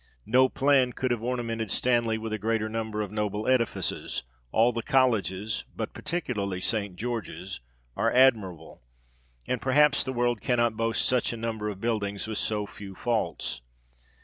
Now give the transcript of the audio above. No plan could have ornamented Stanley with a greater number of noble edifices : all the colleges, but particularly St. George's, are admirable, and perhaps the world cannot boast such a number of buildings, with so few faults.